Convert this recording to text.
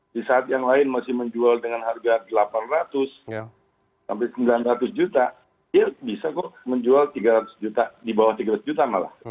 di saat yang lain masih menjual dengan harga delapan ratus sampai sembilan ratus juta ya bisa kok menjual tiga ratus juta di bawah tiga ratus juta malah